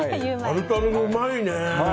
タルタルもうまいね。